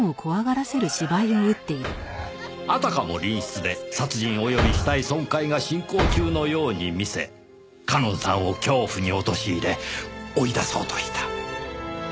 あたかも隣室で殺人及び死体損壊が進行中のように見せ夏音さんを恐怖に陥れ追い出そうとした。